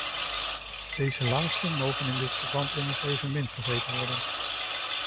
Deze laatsten mogen in dit verband immers evenmin vergeten worden.